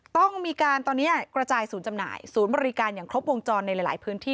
ต้องมีการตอนนี้กระจายศูนย์จำหน่ายศูนย์บริการอย่างครบวงจรในหลายพื้นที่